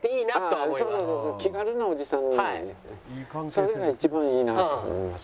それが一番いいなと思います